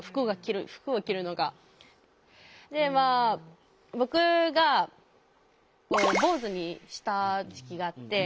でまあ僕が坊主にした時期があって。